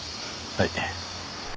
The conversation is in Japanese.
はい。